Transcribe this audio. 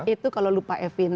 itu kalau lupa e filing